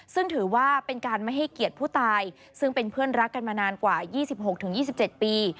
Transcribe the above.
ซึ่งถือว่าเป็นการไม่ให้เกียรติผู้ตายซึ่งเป็นเพื่อนรักกันมานานกว่า๒๖๒๗ปี